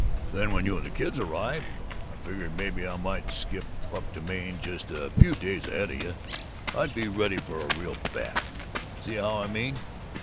"Then when you and the kids arrive I figured maybe I might skip up to Maine just a few days ahead of you I'd be ready for a real bat, see how I mean?"